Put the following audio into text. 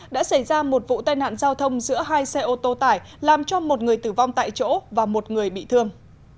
đã xảy ra một vụ tai nạn giao thông giữa hai xe ô tô tải làm cho một người tử vong tại chỗ và một người bị thương